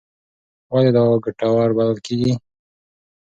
ولې دا ګټور بلل کېږي؟